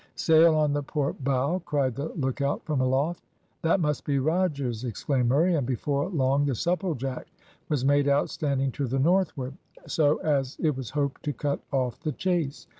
"Sail on the port bow," cried the lookout from aloft. "That must be Rogers," exclaimed Murray; and before long the Supplejack was made out standing to the northward, so as it was hoped to cut off the chase.